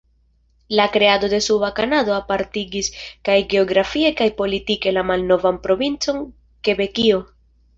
La kreado de Suba Kanado apartigis kaj geografie kaj politike la malnovan provincon Kebekio.